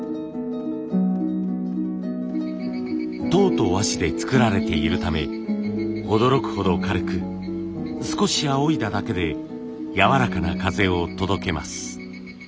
籐と和紙で作られているため驚くほど軽く少しあおいだだけでやわらかな風を届けます。